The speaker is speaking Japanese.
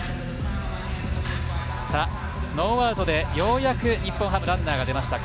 ノーアウトでようやく日本ハムランナーが出ました。